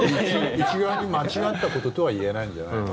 一概に間違ったこととは言えないんじゃないの？